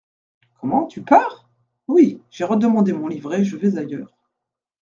Comment, tu pars ? Oui, j'ai redemandé mon livret, je vais ailleurs.